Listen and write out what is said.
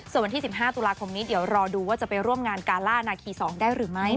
ส่วนวันที่๑๕ตุลาคมนี้เดี๋ยวรอดูว่าจะไปร่วมงานกาล่านาคี๒ได้หรือไม่